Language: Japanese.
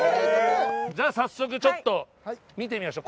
じゃあ早速ちょっと見てみましょう。